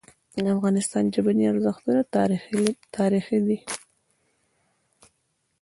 د افغانستان ژبني ارزښتونه تاریخي دي.